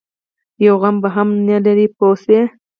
یو غم به هم نه لري پوه شوې!.